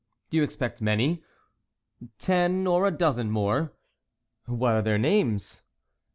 "Do you expect many?" "Ten or a dozen more." "What are their names?"